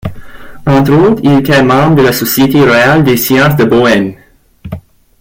Entre autres il était membre de la Société royale des sciences de Bohême.